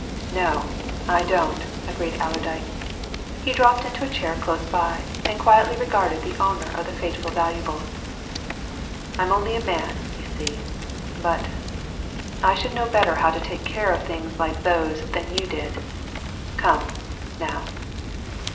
"No, I don't," agreed Allerdyke. He dropped into a chair close by, and quietly regarded the owner of the fateful valuables. "I'm only a man, you see. But I should know better how to take care of things like these than you did. Come, now!"